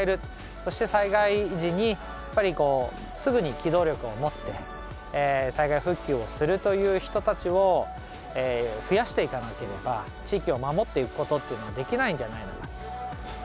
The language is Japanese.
そして災害時にやっぱりこうすぐに機動力をもって災害復旧をするという人たちを増やしていかなければ地域を守っていくことっていうのはできないんじゃないのか。